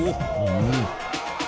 うん。